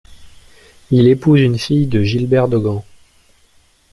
Il épouse une fille de Gilbert de Gant.